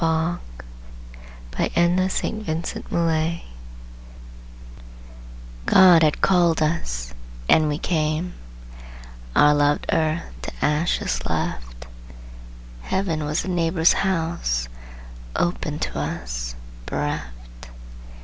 THE BLUE FLAG IN THE BOG God had called us, and we came; Our loved Earth to ashes left; Heaven was a neighbor's house, Open to us, bereft.